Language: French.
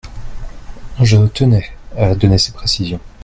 Je tenais à donner ces précisions.